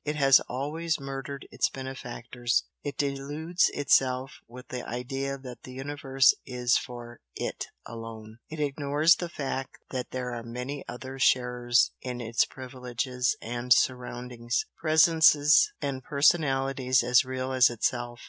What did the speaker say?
It has always murdered its benefactors. It deludes itself with the idea that the universe is for IT alone, it ignores the fact that there are many other sharers in its privileges and surroundings presences and personalities as real as itself.